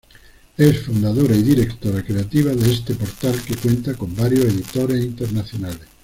Es fundadora y directora creativa de este portal que cuenta con varios editores internacionales.